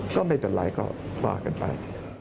ก็ไม่เป็นไรก็ว่ากันไป